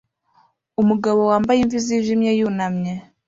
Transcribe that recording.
Umugabo wambaye imvi zijimye yunamye